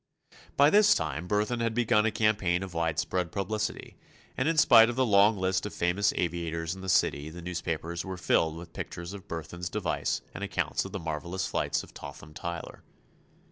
By this time Burthon had begun a campaign of widespread publicity, and in spite of the long list of famous aviators in the city the newspapers were filled with pictures of the Burthon device and accounts of the marvelous flights of Totham Tyler.